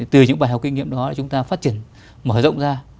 từ những bài học kinh nghiệm đó chúng ta phát triển mở rộng ra